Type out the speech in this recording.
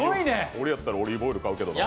俺やったらオリーブオイル買うけどな。